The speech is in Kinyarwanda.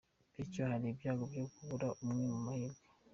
Bityo hari ibyago byo kubura amwe mu mahirwe.